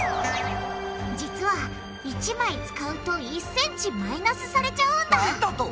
実は１枚使うと１ｃｍマイナスされちゃうんだなんだと？